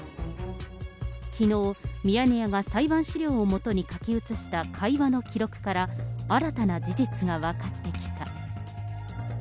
きのう、ミヤネ屋は裁判資料を基に書き写した会話の記録から、新たな事実が分かってきた。